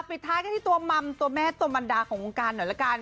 ปิดท้ายกันที่ตัวมัมตัวแม่ตัวบรรดาของวงการหน่อยละกัน